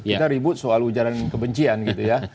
kita ribut soal ujaran kebencian gitu ya